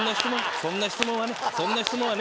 そんな質問はね